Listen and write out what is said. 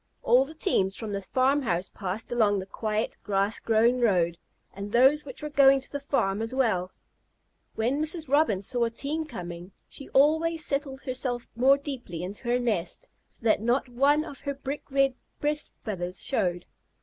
All the teams from the farm house passed along the quiet, grass grown road, and those which were going to the farm as well. When Mrs. Robin saw a team coming, she always settled herself more deeply into her nest, so that not one of her brick red breast feathers showed.